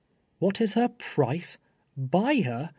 " What is her pi'lce? Buy her